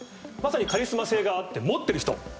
まさにカリスマ性があって持ってる人。